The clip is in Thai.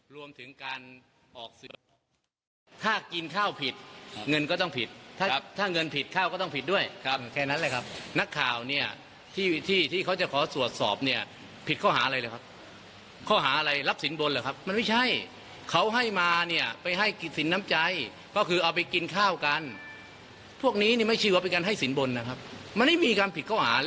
รวมถึงการออกสื่อถ้ากินข้าวผิดเงินก็ต้องผิดถ้าถ้าเงินผิดข้าวก็ต้องผิดด้วยครับแค่นั้นเลยครับนักข่าวเนี่ยที่ที่เขาจะขอตรวจสอบเนี่ยผิดข้อหาอะไรเลยครับข้อหาอะไรรับสินบนเหรอครับมันไม่ใช่เขาให้มาเนี่ยไปให้กินสินน้ำใจก็คือเอาไปกินข้าวกันพวกนี้เนี่ยไม่ใช่ว่าเป็นการให้สินบนนะครับมันไม่มีความผิดข้อหา